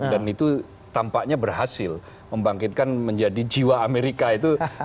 dan itu tampaknya berhasil membangkitkan menjadi jiwa amerika itu